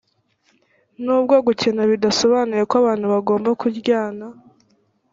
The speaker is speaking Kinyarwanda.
nubwo gukena bidasobanuye ko abantu bagomba kuryana